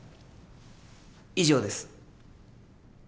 以上です。